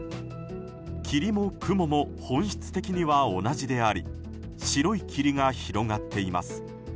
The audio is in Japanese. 霧も雲も本質的には同じであり白い霧が広がっています。